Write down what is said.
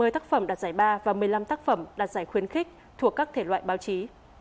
một mươi tác phẩm đạt giải ba và một mươi năm tác phẩm đạt giải khuyến khích thuộc các thể loại báo chí